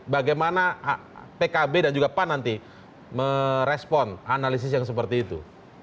bagaimana pkb dan juga pan nanti merespon analisis yang seperti itu